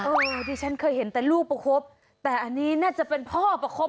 ดิฉันเคยเห็นแต่ลูกประคบแต่อันนี้น่าจะเป็นพ่อประคบ